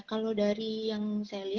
kalau dari yang saya lihat